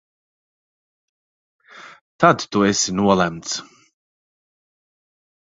Tad tu esi nolemts!